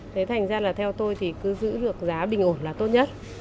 thế thành ra là theo tôi thì cứ giữ được giá bình ổn là tốt nhất